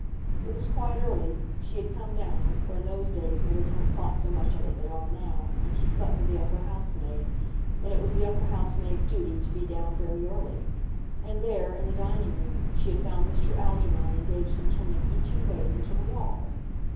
It was quite early; she had come down—for in those days maids weren't thought so much of as they are now, and she slept with the upper housemaid, and it was the upper housemaid's duty to be down very early—and, there, in the dining room, she had found Mr. Algernon engaged in turning each engraving to the wall!